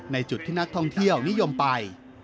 ในจุดที่นักท่องเที่ยวนิยมไป